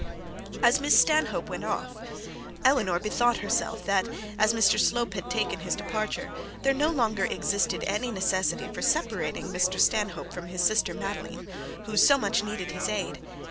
As Miss Stanhope went off, Eleanor bethought herself that, as Mr Slope had taken his departure, there no longer existed any necessity for separating Mr Stanhope from his sister Madeline, who so much needed his aid.